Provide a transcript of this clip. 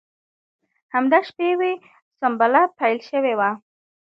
همدا شپې وې سنبله پیل شوې وه.